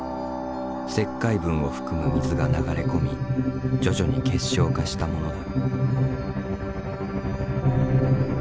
石灰分を含む水が流れ込み徐々に結晶化したものだ。